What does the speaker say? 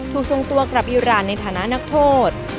ถูกทรงตัวกับยิวลานในฐานะนักโทษ